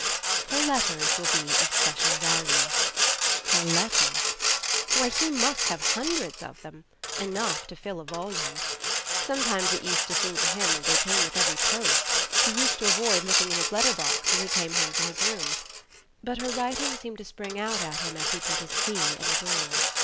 "Her letters will be of special value " Her letters! Why, he must have hundreds of them enough to fill a volume. Sometimes it used to seem to him that they came with every post he used to avoid looking in his letter box when he came home to his rooms but her writing seemed to spring out at him as he put his key in the door